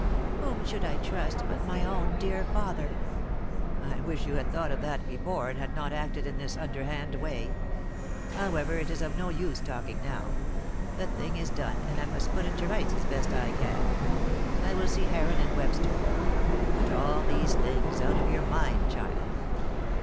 Whom should I trust but my own dear father?" "I wish you had thought of that before, and had not acted in this underhand way. However, it is of no use talking now. The thing is done and I must put it to rights as best I can. I will see Heron and Webster. Put all these things out of your mind, child."